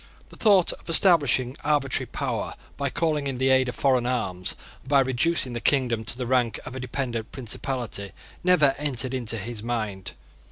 The thought of establishing arbitrary power, by calling in the aid of foreign arms, and by reducing the kingdom to the rank of a dependent principality, never entered into his mind.